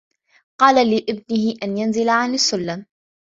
قال لابنه أن ينزل عن السلم.